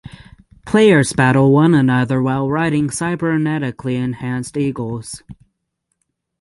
Players battle one another while riding cybernetically enhanced eagles.